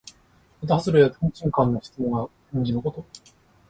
まとはずれで、とんちんかんな質問や返事のこと。